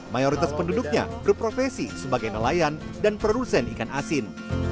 mayoritas penduduknya berprofesi sebagai nelayan dan produsen ikan asin